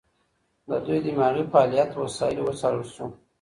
د دوی دماغي فعالیت وسایلو وڅارل شو.